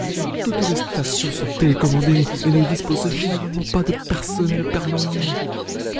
Toutes les stations sont télécommandées et ne disposent généralement pas de personnel permanent.